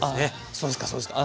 そうですかそうですか。